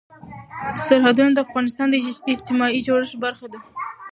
سرحدونه د افغانستان د اجتماعي جوړښت برخه ده.